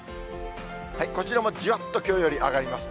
こちらもじわっときょうより上がります。